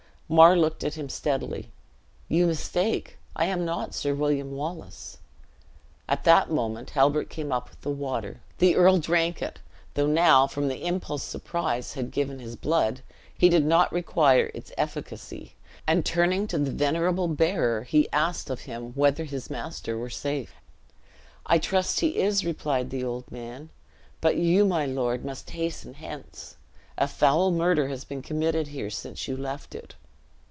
Mar looked at him steadily. "You mistake; I am not Sir William Wallace." At that moment Halbert came up with the water. The earl drank it, though now, from the impulse surprise had given to his blood, he did not require its efficacy; and turning to the venerable bearer, he asked of him whether his master were safe. "I trust he is," replied the old man; "but you, my lord, must hasten hence. A foul murder has been committed here, since you left it."